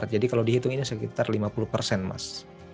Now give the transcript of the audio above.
jadi kalau dihitung ini sekitar lima puluh mas